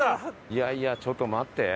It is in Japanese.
いやいやちょっと待って。